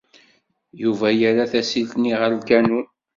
Yuba yerra tasilt-nni ɣer lkanun.